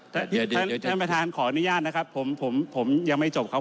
ท่านประธานขออนุญาตนะครับผมผมยังไม่จบครับ